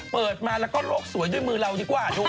เปิดมาแล้วก็โลกสวยด้วยมือเราดีกว่าดู